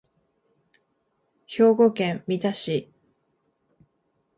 兵庫県三田市